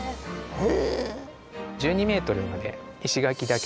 へえ。